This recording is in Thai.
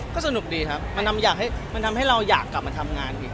ก็สนุกดีครับมันทำให้เราอยากกลับมาทำงานอีกด้วย